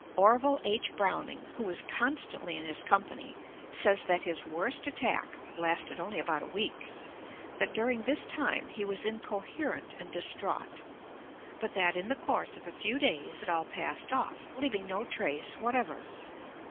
Orville H. Browning, who was constantly in his company, says that his worst attack lasted only about a week; that during this time he was incoherent and distraught; but that in the course of a few days it all passed off, leaving no trace whatever.